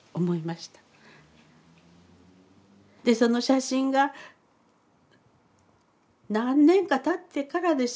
でその写真が何年かたってからでしょうかねえ。